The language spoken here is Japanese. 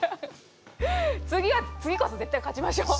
次こそ絶対勝ちましょう！